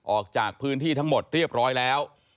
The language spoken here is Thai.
ออกจากพื้นที่ทั้งหมดเรียบร้อยแล้ว